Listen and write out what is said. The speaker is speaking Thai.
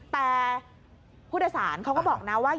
แต่ผู้โดยสารเขาก็บอกนะว่า